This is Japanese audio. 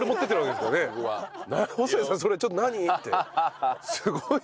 それちょっと何？」ってすごい。